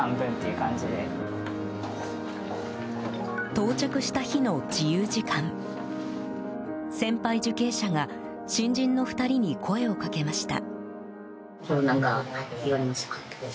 到着した日の自由時間先輩受刑者が新人の２人に声をかけました。